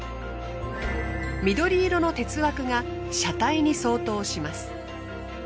緑色の鉄枠が車体に相当します。